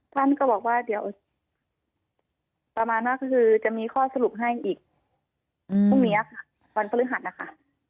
ท่านก็บอกว่าเดี๋ยวประมาณว่าก็คือจะมีข้อสรุปให้อีกพรุ่งนี้ค่ะวันพฤหัสนะคะ